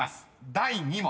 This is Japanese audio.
第２問］